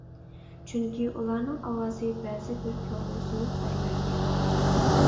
چۈنكى ئۇلارنىڭ ئاۋازى بەزى بىر كۆڭلى سۇيۇق ئەرلەرنى ئازدۇرىدۇ.